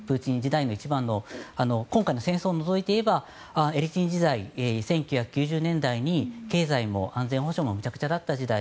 一番の今回の戦争を除いて言えばエリツィン時代１９９０年代に経済も安全保障もめちゃくちゃだった時代。